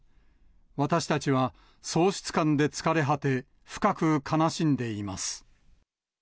私たちは喪失感で疲れ果て、深く悲しんでいます。